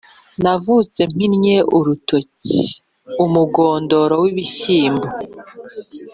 Navutse mpinnye urutoki-Umugondoro w'ibishyimbo.